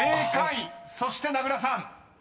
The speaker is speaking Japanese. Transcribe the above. そして名倉さん］